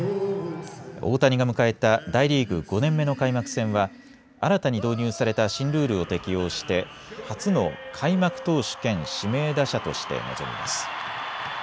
大谷が迎えた大リーグ５年目の開幕戦は新たに導入された新ルールを適用して初の開幕投手兼指名打者として臨みます。